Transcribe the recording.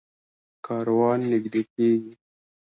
کاروان نږدې کېږي.